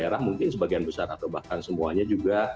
daerah mungkin sebagian besar atau bahkan semuanya juga